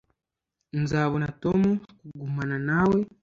nzabona tom kugumana nawe